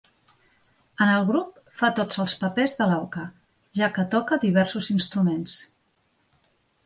En el grup fa tots els papers de l'auca, ja que toca diversos instruments.